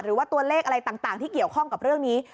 หรือว่าตัวเลขอะไรต่างที่เกี่ยวข้องกับเรื่องนี้